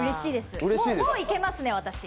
もういけますね。